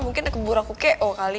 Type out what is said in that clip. mungkin kebur aku ke oh kali